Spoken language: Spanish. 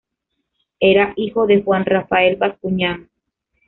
Era hijo de Juan Rafael Bascuñán.